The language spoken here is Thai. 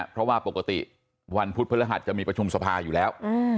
เพราะว่าปกติวันพุธพฤหัสจะมีประชุมสภาอยู่แล้ว